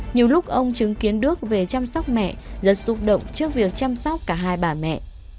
nhiều lúc ông chứng kiến đức về chăm sóc mẹ rất xúc động trước việc chăm sóc cả hai bà mẹ